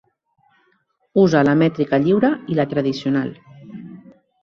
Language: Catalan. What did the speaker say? Usa la mètrica lliure i la tradicional.